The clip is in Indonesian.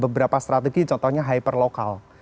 beberapa strategi contohnya hyper lokal